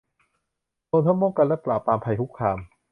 รวมทั้งป้องกันและปราบปรามภัยคุกคาม